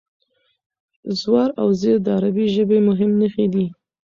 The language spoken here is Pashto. زور او زېر د عربي ژبې مهمې نښې دي.